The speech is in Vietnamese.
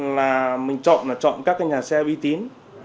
là mình chọn là chọn các cái nhà xe uy tín